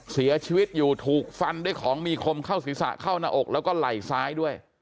เสียชีวิตอยู่ถูกฟันด้วยของมีคมเข้าศีรษะเข้าหน้าอกแล้วก็ไหล่ซ้ายด้วย